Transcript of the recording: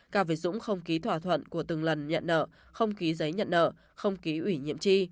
cao việt dũng không ký thỏa thuận của từng lần nhận nợ không ký giấy nhận nợ không ký ủy nhiệm tri